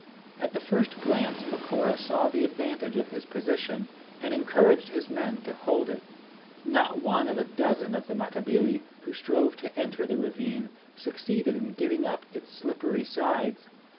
At the first glance Macora saw the advantage of his position, and encouraged his men to hold it. Not one of a dozen of the Matabili, who strove to enter the ravine, succeeded in getting up its slippery sides.